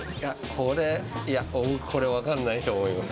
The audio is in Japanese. これ分かんないと思います。